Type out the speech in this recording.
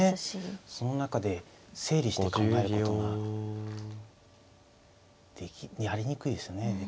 その中で整理して考えることがやりにくいですね。